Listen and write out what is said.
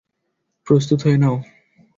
প্রস্তুত হয়ে নাও!